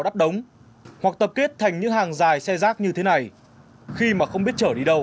đắt đống hoặc tập kết thành những hàng dài xe rác như thế này khi mà không biết chở đi đâu